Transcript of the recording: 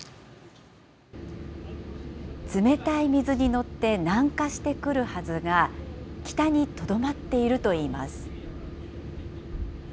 冷たい水に乗って南下してくるはずが、北にとどまっているといいます。